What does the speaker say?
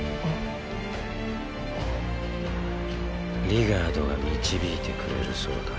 リガードが導いてくれるそうだ。